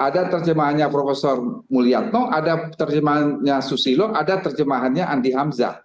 ada terjemahannya prof mulyatno ada terjemahannya susilo ada terjemahannya andi hamzah